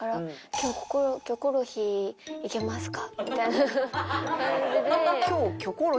「今日『キョコロヒー』いけますか？」。